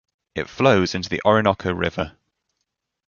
It flows into the Orinoco River.